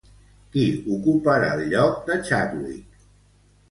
Qui ocuparà el lloc de Chadwick?